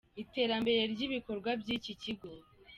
iterambere ry’ibikorwa by’iki kigo.